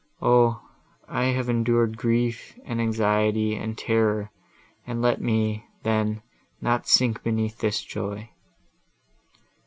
O! I have endured grief, and anxiety, and terror, and let me, then, not sink beneath this joy!"